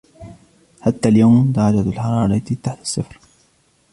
حتى اليوم درجة الحرارة تحت الصفر.